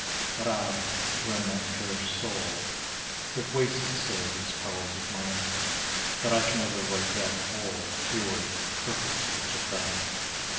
But I, who am that perished soul, Have wasted so these powers of mine, That I can never write that whole, Pure, perfect speech of thine.